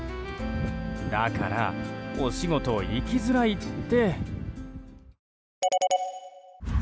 だから、お仕事行きづらいって。